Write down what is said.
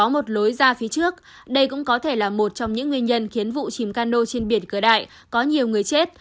một lối ra phía trước đây cũng có thể là một trong những nguyên nhân khiến vụ chìm cano trên biển cửa đại có nhiều người chết